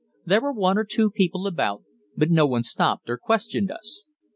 There were one or two people about, but no one stopped or questioned us.